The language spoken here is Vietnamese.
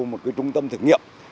một cái trung tâm thực nghiệm